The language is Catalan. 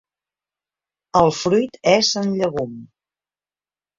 El fruit és en llegum.